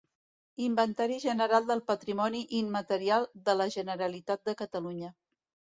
Inventari general del patrimoni immaterial de la Generalitat de Catalunya.